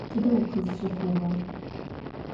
Tıde vukhızşıxhuğer?